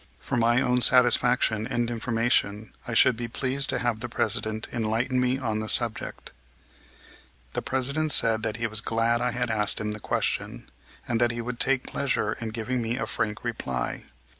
For my own satisfaction and information I should be pleased to have the President enlighten me on the subject. The President said that he was glad I had asked him the question, and that he would take pleasure in giving me a frank reply.